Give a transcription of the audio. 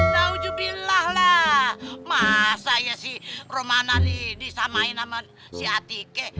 lajubillah lah masaya sih romana ini bisa main naman siatika